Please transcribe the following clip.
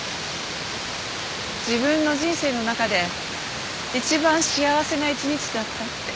自分の人生の中で一番幸せな一日だったって。